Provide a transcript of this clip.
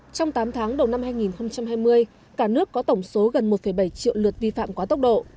trong tám tháng đầu năm hai nghìn hai mươi cả nước có tổng số gần một bảy triệu lượt vi phạm quá tốc độ